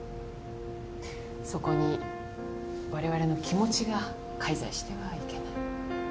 そこにわれわれの気持ちが介在してはいけない。